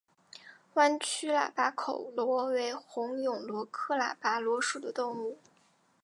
弯曲喇叭口螺为虹蛹螺科喇叭螺属的动物。